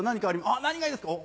あっ何がいいですか？